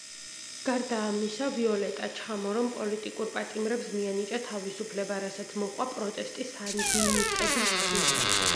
გარდა ამისა, ვიოლეტა ჩამორომ პოლიტიკურ პატიმრებს მიანიჭა თავისუფლება, რასაც მოჰყვა პროტესტი სანდინისტების მხრიდან.